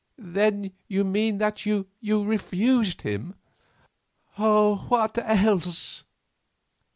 "Then you mean that you refused him?" "What else?"